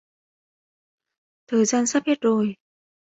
thời gian sắp hết rồi